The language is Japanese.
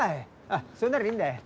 あっそれならいいんだ。